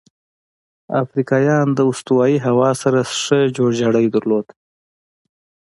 افریقایان د استوایي هوا سره ښه جوړجاړی درلود.